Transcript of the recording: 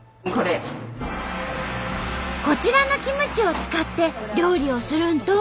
こちらのキムチを使って料理をするんと！